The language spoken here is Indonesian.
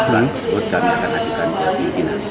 dan sebutkan akan adukan ke rukina